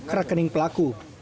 ke rekening pelaku